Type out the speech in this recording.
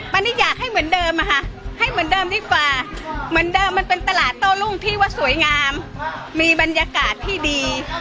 วันนี้อยากให้เหมือนเดิมอะค่ะให้เหมือนเดิมดีกว่าเหมือนเดิมมันเป็นตลาดโต้รุ่งพี่ว่าสวยงามมีบรรยากาศที่ดี